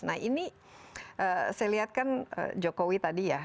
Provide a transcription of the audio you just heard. nah ini saya lihat kan jokowi tadi ya